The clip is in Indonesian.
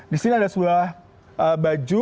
di sini ada sebuah baju